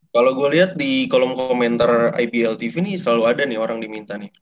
kalau gue lihat di kolom komentar ibl tv nih selalu ada nih orang diminta nih